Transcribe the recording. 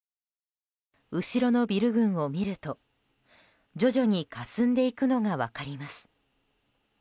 後ろのビル群を見ると徐々にかすんでいくのが分かります。